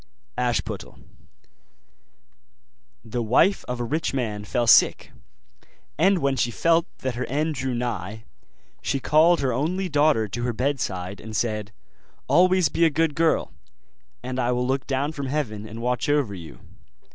ASHPUTTEL The wife of a rich man fell sick; and when she felt that her end drew nigh, she called her only daughter to her bed side, and said, 'Always be a good girl, and I will look down from heaven and watch over you.